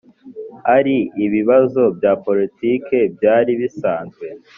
ari ibibazo bya politiki byari bisanzwe